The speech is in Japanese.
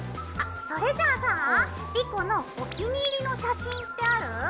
あっそれじゃあさ莉子のお気に入りの写真ってある？